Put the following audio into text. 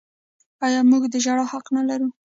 آیا موږ د ژړا حق نلرو؟